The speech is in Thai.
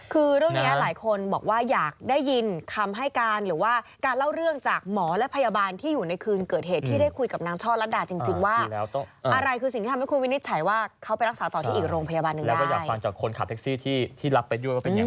คือเรื่องนี้หลายคนบอกว่าอยากได้ยินคำให้การหรือว่าการเล่าเรื่องจากหมอและพยาบาลที่อยู่ในคืนเกิดเหตุที่ได้คุยกับนางช่อลัดดาจริงว่าอะไรคือสิ่งที่ทำให้คุณวินิจฉัยว่าเขาไปรักษาต่อที่อีกโรงพยาบาลหนึ่งได้